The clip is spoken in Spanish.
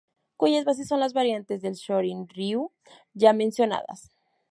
Cuyas bases son las variantes del Shorin Ryu ya mencionadas.